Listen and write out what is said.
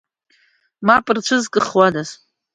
Мап рцәызкыхуадаз!